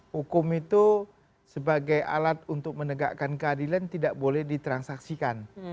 hukum itu sebagai alat untuk menegakkan keadilan tidak boleh ditransaksikan